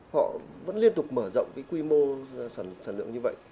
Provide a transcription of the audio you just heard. họ vẫn liên tục mở rộng cái quy mô sản lượng như vậy